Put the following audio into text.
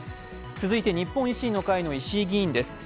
続いて日本維新の会の石井議員です。